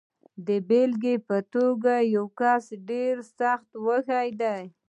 د بېلګې په توګه، یو کس ډېر سخت وږی دی.